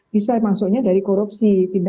bisa maksudnya dari korupsi